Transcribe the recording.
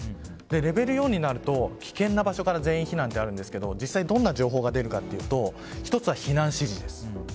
レベル４になると危険な場所から全員避難ってあるんですけど実際どんな情報が出るかというと１つは避難指示です。